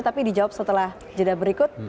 tapi dijawab setelah jeda berikut